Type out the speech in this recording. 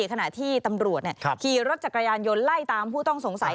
ขณะที่ตำรวจขี่รถจักรยานยนต์ไล่ตามผู้ต้องสงสัย